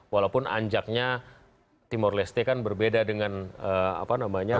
walaupun anjaknya timor leste kan berbeda dengan apa namanya